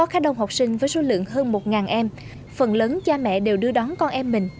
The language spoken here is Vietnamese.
khá đông học sinh với số lượng hơn một em phần lớn cha mẹ đều đưa đón con em mình